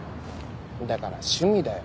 だから趣味だよ。